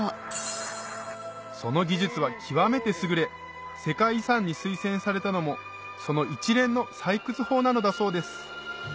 その技術は極めて優れ世界遺産に推薦されたのもその一連の採掘法なのだそうです